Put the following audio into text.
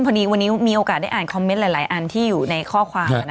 พอดีวันนี้มีโอกาสได้อ่านคอมเมนต์หลายอันที่อยู่ในข้อความ